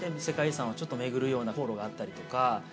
世界遺産をちょっと巡るような航路があったりとか。